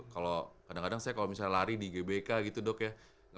kalau kadang kadang saya kalau misalnya lari di gbk gitu dok ya